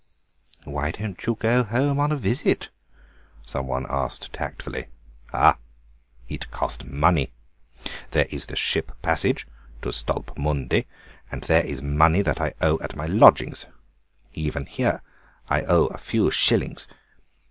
"Why don't you go home on a visit?" some one asked tactfully. "Ah, it cost money! There is the ship passage to Stolpmünde, and there is money that I owe at my lodgings. Even here I owe a few schillings.